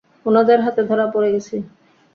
উনাদের হাতে ধরা পড়ে গেছি।